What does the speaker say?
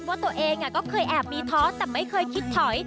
ว่าตัวเองก็เคยแอบมีท้อแต่ไม่เคยคิดถอย